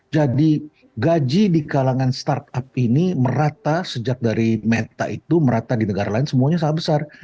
jadi gaji di kalangan startup ini merata sejak dari meta itu merata di negara lain semuanya sangat besar